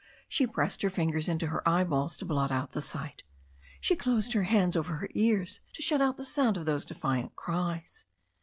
She pressed her fingers into her eyeballs to blot out the sight. She closed her hands over her ears to shut out the sound of those defiant cries.